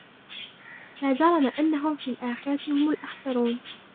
لا جرم أنهم في الآخرة هم الأخسرون